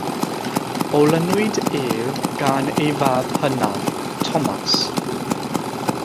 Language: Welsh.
Olynwyd ef gan ei fab hynaf, Thomas.